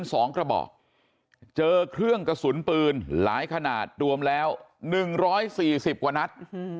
สองกระบอกเจอเครื่องกระสุนปืนหลายขนาดรวมแล้วหนึ่งร้อยสี่สิบกว่านัด